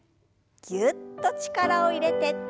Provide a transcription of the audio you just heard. ぎゅっと力を入れて。